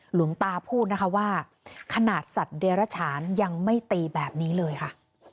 หลวงตาพูดนะคะว่าขนาดสัตว์เดรฉานยังไม่ตีแบบนี้เลยค่ะ